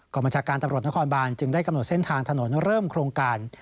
บัญชาการตำรวจนครบานจึงได้กำหนดเส้นทางถนนเริ่มโครงการ